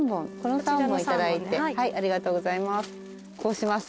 ありがとうございます。